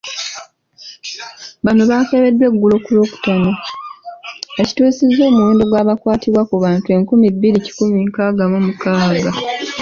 Bano baakebeddwa eggulo ku Lwokutaano, ekituusizza omuwendo gw’abakakwatibwa ku bantu enkumi bbiri kikumi nkaaga mu mukaaga.